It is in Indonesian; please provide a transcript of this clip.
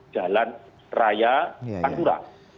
jalan raya pantura